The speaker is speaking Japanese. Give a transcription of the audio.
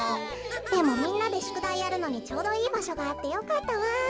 でもみんなでしゅくだいやるのにちょうどいいばしょがあってよかったわ。